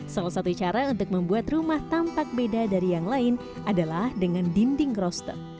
salah satu cara untuk membuat rumah tampak beda dari yang lain adalah dengan dinding roster